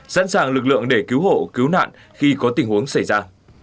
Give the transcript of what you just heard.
sẵn sàng lực lượng để cứu hộ cứu nạn khi có tình huống xảy ra